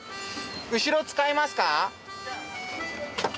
後ろ使いますか？